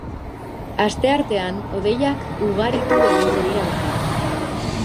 Asteartean hodeiak ugaritu egingo dira berriro.